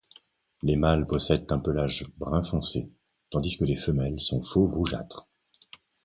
Les mâles possèdent un pelage brun foncé, tandis que les femelles sont fauve-rougeâtre.